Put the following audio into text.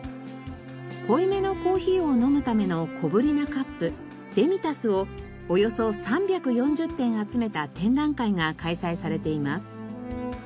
濃いめのコーヒーを飲むための小ぶりなカップデミタスをおよそ３４０点集めた展覧会が開催されています。